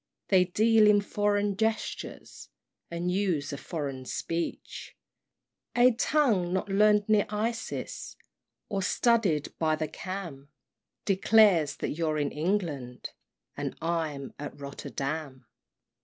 They deal in foreign gestures, And use a foreign speech; A tongue not learn'd near Isis, Or studied by the Cam, Declares that you're in England, And I'm at Rotterdam.